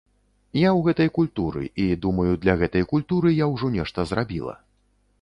Я ў гэтай культуры, і, думаю, для гэтай культуры я ўжо нешта зрабіла.